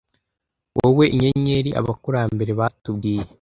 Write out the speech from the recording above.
wowe inyenyeri abakurambere batubwiye